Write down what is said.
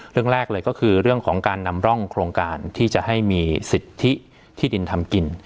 เรื่องแรกเลยก็คือเรื่องของการนำร่องโครงการที่จะให้มีสิทธิที่ดินทำกิน